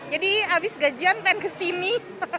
jadi abis gajian pengen kesini